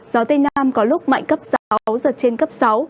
gió tây nam có lúc mạnh cấp sáu giật trên cấp sáu